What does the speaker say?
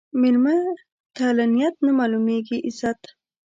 مېلمه ته له نیت نه معلومېږي عزت.